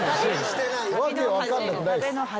訳分かんなくないっす。